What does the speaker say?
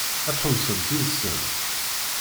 Ad tḥewwsemt yid-sent?